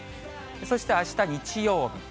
そしてあした日曜日。